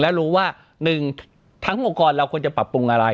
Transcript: และรู้ว่าหนึ่งทั้งองค์กรเราควรจะปรับปรุงอะไร